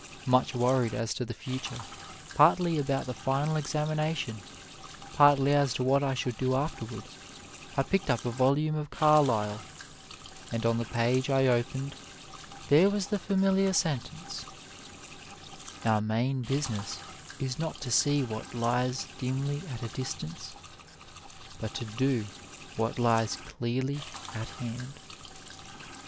Much worried as to the future, partly about the final examina tion, partly as to what I should do afterwards, I picked up a volume of Carlyle, and on the page I opened there was the 1 The Rev. W. A. Johnson, the founder of the school. B 17 A WAY familiar sentence " Our main business is not to see what lies dimly at a distance, but to do what lies clearly at hand."